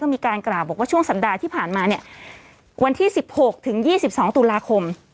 ก็มีการกล่าวบอกว่าช่วงสัปดาห์ที่ผ่านมาเนี้ยวันที่สิบหกถึงยี่สิบสองตุลาคม